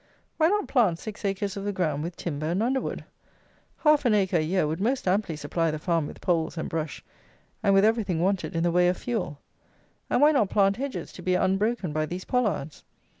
Why not plant six acres of the ground with timber and underwood? Half an acre a year would most amply supply the farm with poles and brush, and with everything wanted in the way of fuel; and why not plant hedges to be unbroken by these pollards?